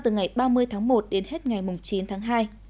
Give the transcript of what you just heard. từ ngày ba mươi tháng một đến hết ngày chín tháng hai